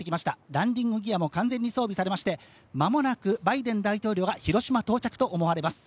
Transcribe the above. ランディングギアも確実に装備されまして間もなくバイデン大統領が広島に到着と思われます。